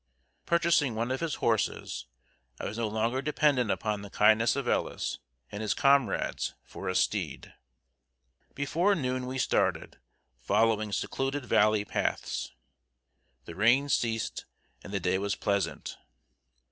Purchasing one of his horses, I was no longer dependent upon the kindness of Ellis and his comrades for a steed. Before noon we started, following secluded valley paths. The rain ceased and the day was pleasant.